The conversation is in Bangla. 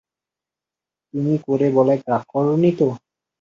তুমি করে বলায় রাগ করনি তো?